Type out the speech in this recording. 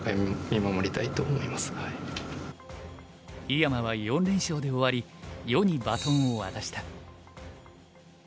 井山は４連勝で終わり余にバトンを渡した。